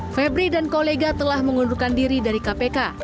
febri dan kolega telah mengundurkan diri dari kpk